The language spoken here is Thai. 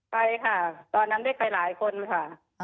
ไปค่ะตอนนั้นได้ไปหลายคนค่ะ